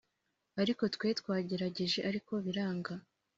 ariko twe twagerageje ariko biranga